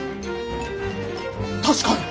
確かに。